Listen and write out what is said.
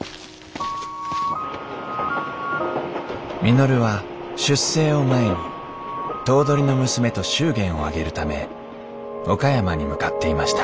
稔は出征を前に頭取の娘と祝言を挙げるため岡山に向かっていました